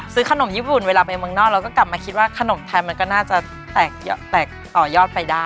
ขนมญี่ปุ่นเวลาไปเมืองนอกเราก็กลับมาคิดว่าขนมไทยมันก็น่าจะแตกต่อยอดไปได้